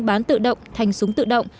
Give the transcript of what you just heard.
bán tự động thành súng tự động